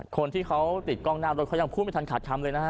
คนที่เขาติดกล้องหน้ารถเขายังพูดไม่ทันขาดคำเลยนะฮะ